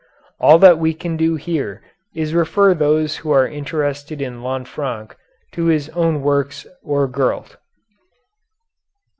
All that we can do here is refer those who are interested in Lanfranc to his own works or Gurlt.